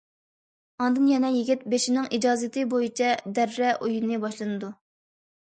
ئاندىن يەنە يىگىت بېشىنىڭ ئىجازىتى بويىچە دەررە ئويۇنى باشلىنىدۇ.